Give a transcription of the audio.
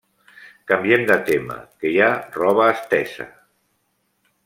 Canviem de tema que hi ha roba estesa!